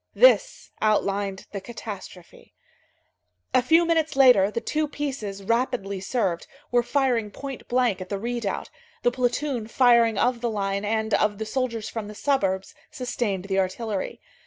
This outlined the catastrophe. A few minutes later, the two pieces, rapidly served, were firing point blank at the redoubt; the platoon firing of the line and of the soldiers from the suburbs sustained the artillery.